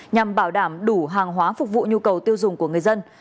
nhằm bảo đảm đủ hàng hóa phục vụ nhu cầu tiêu dùng của người dân